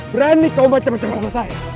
berani kau macam macam sama saya